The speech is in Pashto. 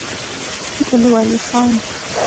ګل ولي خان